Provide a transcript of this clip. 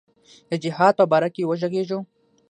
د جهاد په باره کې وږغیږو.